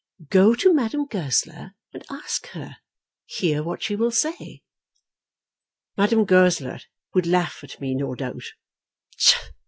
"Go to Madame Goesler, and ask her. Hear what she will say." "Madame Goesler would laugh at me, no doubt."